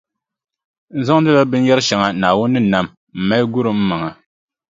N zaŋdila binyɛrʼ shɛŋa Naawuni ni nam m-mali guri m maŋa.